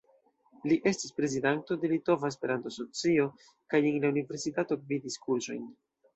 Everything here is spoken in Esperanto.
Li estis prezidanto de Litova Esperanto-Asocio, kaj en la universitato gvidis kursojn.